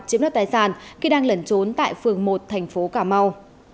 chiếm đất tài sản khi đang lẩn trốn tại phường một tp cà mau